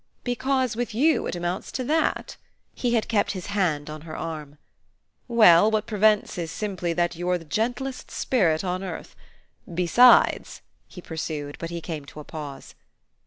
"Because with you it amounts to that?" He had kept his hand on her arm. "Well, what prevents is simply that you're the gentlest spirit on earth. Besides " he pursued; but he came to a pause.